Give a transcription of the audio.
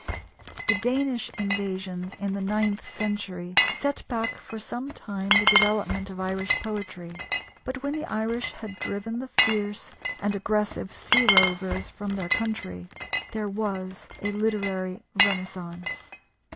The Danish invasions in the ninth century set back for some time the development of Irish poetry, but, when the Irish had driven the fierce and aggressive sea rovers from their country, there was a literary renascence.